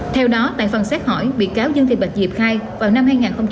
theo đó tại phần xét hỏi bị cáo dương thị bạch dịp khai vào năm hai nghìn bảy